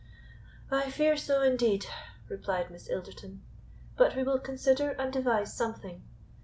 "I fear so indeed," replied Miss Ilderton; "but we will consider and devise something.